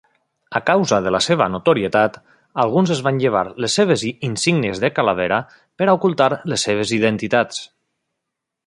A causa de la seva notorietat, alguns es van llevar les seves insígnies de "calavera" per a ocultar les seves identitats.